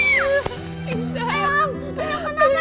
tidak tidak tidak